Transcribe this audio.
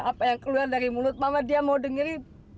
apa yang keluar dari mulut mama dia mau dengerin